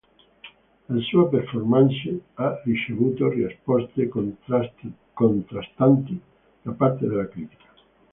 La sua performance ha ricevuto risposte contrastanti da parte della critica.